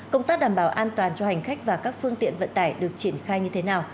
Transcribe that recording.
công tác đảm bảo an toàn cho hành khách và các phương tiện vận tải được triển khai như thế nào